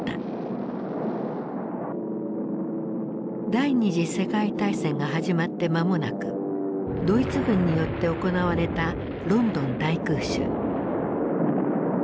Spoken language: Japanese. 第二次世界大戦が始まって間もなくドイツ軍によって行われたロンドン大空襲。